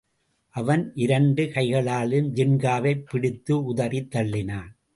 அவன் இரண்டு கைகளாலும் ஜின்காவைப் பிடித்து உதறித் தள்ளினான்.